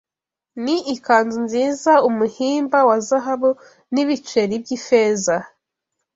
Ni ikanzu nziza umuhimba wa zahabu n’ibiceri by’ifeza